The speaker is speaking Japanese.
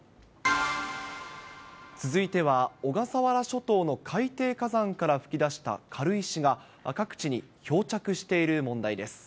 続いては小笠原諸島の海底火山から噴き出した軽石が、各地に漂着している問題です。